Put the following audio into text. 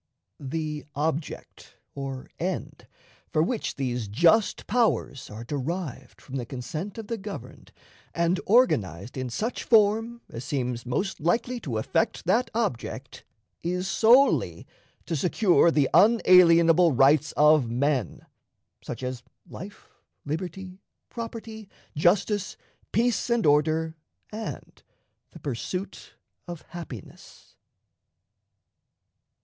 The object, or end, for which these "just powers" are derived from the consent of the governed and organized in such form as seems most likely to effect that object, is solely to secure the unalienable rights of men such as life, liberty, property, justice, peace and order, and the pursuit of happiness.